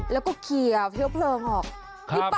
แล้วก็เคลียร์เพลิงออกมีเป่าด้วยนะ